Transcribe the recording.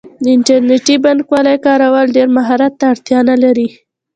د انټرنیټي بانکوالۍ کارول ډیر مهارت ته اړتیا نه لري.